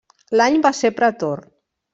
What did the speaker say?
L'any va ser pretor.